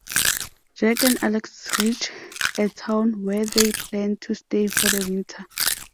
Jack and Alex reach a town where they plan to stay for the winter.